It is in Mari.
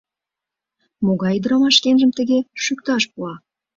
Могай ӱдырамаш шкенжым тыге шӱкташ пуа?